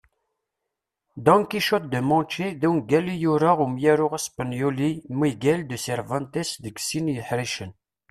Don Quichotte de Manche d ungal i yura umyaru aspenyuli Miguel de Cervantes deg sin iḥricen.